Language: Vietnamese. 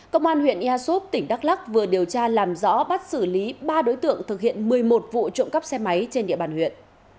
công an huyện ea súp tỉnh đắk lắc vừa điều tra làm rõ bắt xử lý ba đối tượng thực hiện một mươi một vụ trộm cắp xe máy trên địa bàn huyện